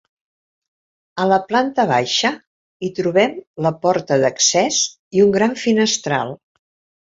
A la planta baixa hi trobem la porta d'accés i un gran finestral.